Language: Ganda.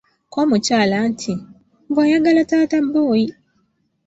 Kko omukyala nti, Mbu ayagala taata boy!